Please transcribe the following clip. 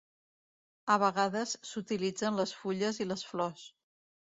A vegades, s'utilitzen les fulles i les flors.